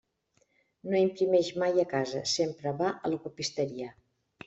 No imprimeix mai a casa, sempre va a la copisteria.